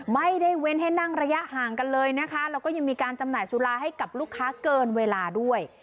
เว้นให้นั่งระยะห่างกันเลยนะคะแล้วก็ยังมีการจำหน่ายสุราให้กับลูกค้าเกินเวลาด้วย